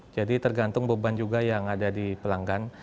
jadi tergantung beban juga yang ada di pelanggan